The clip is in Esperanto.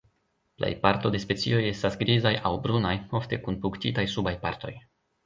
Plej parto de specioj estas grizaj aŭ brunaj, ofte kun punktitaj subaj partoj.